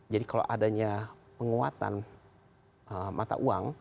jadi kalau adanya penguatan mata uang